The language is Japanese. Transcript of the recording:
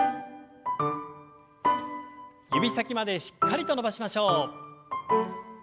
指先までしっかりと伸ばしましょう。